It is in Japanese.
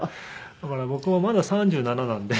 だから僕もまだ３７なんで。